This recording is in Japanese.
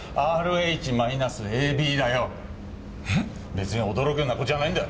別に驚くような事じゃないんだよ。